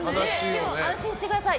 でも安心してください。